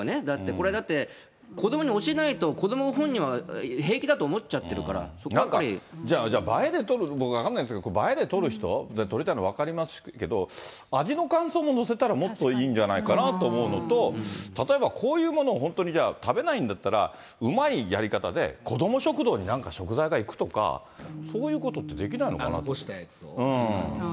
これだって、子どもに教えないと、子ども本人は平気だと思っちゃっじゃあ、映えで撮る、僕、分かんないですけど、映えで撮りたいの分かりませんけど、味の感想も載せたらもっといいんじゃないかなって思うのと、例えばこういうものを本当にじゃあ食べないんだったら、うまいやり方で、子ども食堂になんか食材がいくとか、残したやつを？